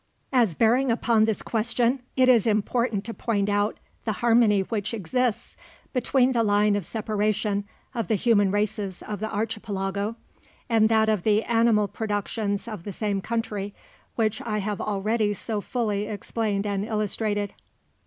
As bearing upon this question it is important to point out the harmony which exists, between the line of separation of the human races of the Archipelago and that of the animal productions of the same country, which I have already so fully explained and illustrated.